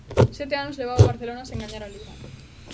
Sete anos levaba o Barcelona sen gañar a Liga.